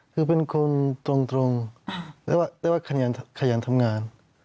คือเป็นคนตรงแต่ว่าขยันทำงาน